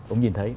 ông nhìn thấy